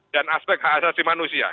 dan aspek hak asasi manusia